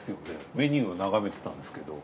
メニューを眺めてたんですけど。